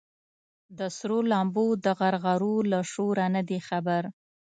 د سرو لمبو د غرغرو له شوره نه دي خبر